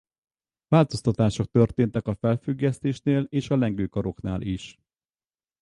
Változtatások történtek a felfüggesztésnél és az lengőkaroknál is.